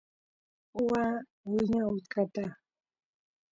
waa wiña utkata